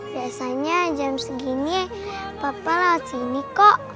biasanya jam segini papa lewat sini kok